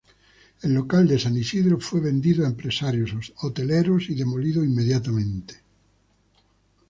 El local de San Isidro fue vendido a empresarios hoteleros, y demolido inmediatamente.